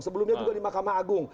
sebelumnya juga di mahkamah agung